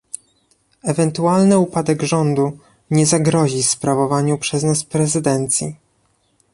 Ewentualny upadek rządu nie zagrozi sprawowaniu przez nas prezydencji